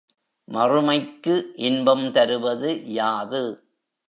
மறுமைக்கு இன்பம் தருவது யாது?